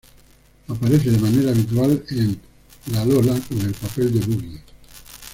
Aparece de manera habitual en "Lalola", con el papel de Boogie.